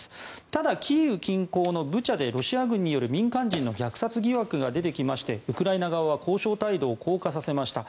ただ、キーウ近郊のブチャでロシア軍による民間人の虐殺疑惑が出てきまして、ウクライナ側は交渉態度を硬化させました。